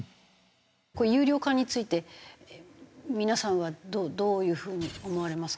有料化について皆さんはどういう風に思われますか？